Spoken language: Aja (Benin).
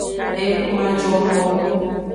Enu majokpo.